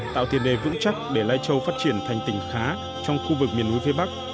tạo tiền đề vững chắc để lai châu phát triển thành tỉnh khá trong khu vực miền núi phía bắc